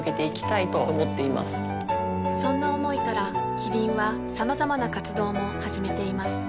そんな思いからキリンはさまざまな活動も始めています